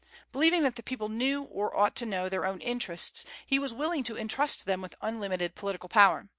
Believing that the people knew, or ought to know, their own interests, he was willing to intrust them with unlimited political power.